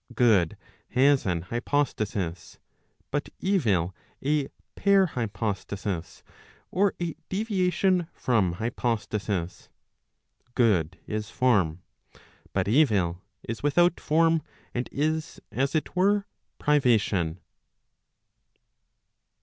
Good has an hypostasis, but evil a parhypostasis or a deviation from hypostasis. Good is form, but evil is without form, and is as it were privation.